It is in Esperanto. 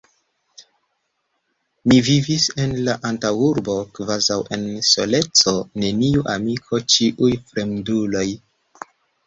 Mi vivis en la antaŭurbo kvazaŭ en soleco, neniu amiko, ĉiuj fremduloj!